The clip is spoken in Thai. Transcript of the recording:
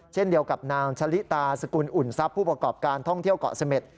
เช่นเดียวกับนางชะลิตาสกุลอุ่นทรัพย์ผู้ประกอบการท่องเที่ยวเกาะเสม็ด